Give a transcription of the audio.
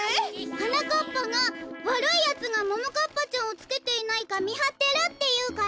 はなかっぱがわるいやつがももかっぱちゃんをつけていないかみはってるっていうから。